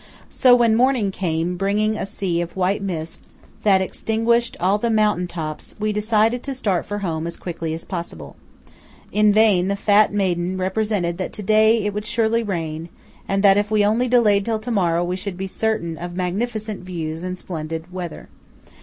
So when morning came, bringing a sea of white mist that extinguished all the mountain tops, we decided to start for home as quickly as possible. In vain the fat maiden represented that to day it would surely rain, and that if we only delayed till to morrow we should be certain of magnificent views and splendid weather.